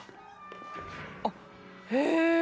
あっへえ！